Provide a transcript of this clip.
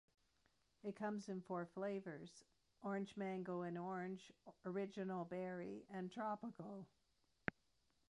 It comes in four flavours; Orange, Mango and Orange, Original Berry, and Tropical.